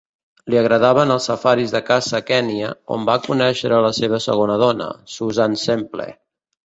Li agradaven els safaris de caça a Kènia, on va conèixer la seva segona dona, Susan Semple.